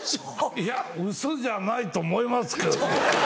いやウソじゃないと思いますけど。